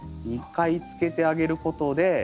２回つけてあげることで。